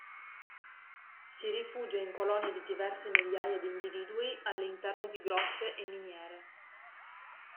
Si rifugia in colonie di diverse migliaia di individui all'interno di grotte e miniere.